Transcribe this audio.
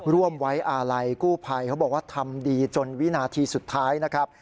ร่วมไว้อะไรกู้ไพรเขาบอกว่าทำดีจนวินาทีสุดท้าย